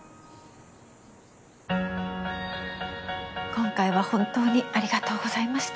今回は本当にありがとうございました。